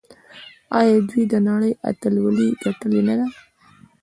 آیا دوی د نړۍ اتلولي ګټلې نه ده؟